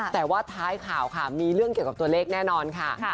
แต่ว่าท้ายข่าวค่ะมีเรื่องเกี่ยวกับตัวเลขแน่นอนค่ะ